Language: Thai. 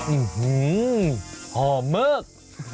อื้อฮือหอมเมิก